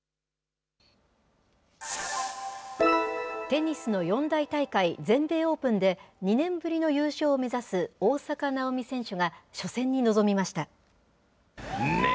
テニスの四大大会、全米オープンで、２年ぶりの優勝を目指す大坂なおみ選手が、初戦に臨みました。